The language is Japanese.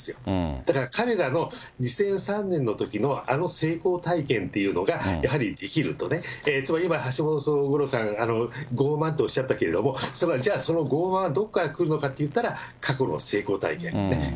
だから彼らの２００３年のときのあの成功体験というのが、やっぱりできるとね、つまり、今、橋本五郎さんがごう慢とおっしゃったけれども、それはじゃあ、そのごう慢はどこから来るのかっていったら、過去の成功体験。